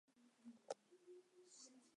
皱褶大蟾蟹为梭子蟹科大蟾蟹属的动物。